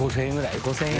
５０００円。